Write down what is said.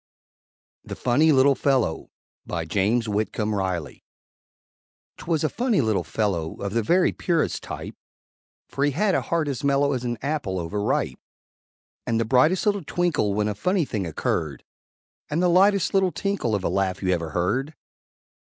THE FUNNY LITTLE FELLOW BY JAMES WHITCOMB RILEY 'Twas a Funny Little Fellow Of the very purest type, For he had a heart as mellow As an apple over ripe; And the brightest little twinkle When a funny thing occurred, And the lightest little tinkle Of a laugh you ever heard!